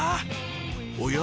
おや？